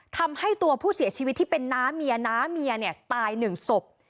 ทำให้ตัวผู้เสียชีวิตที่เป็นน้าเมียน้าเมียเนี่ยตายหนึ่งศพ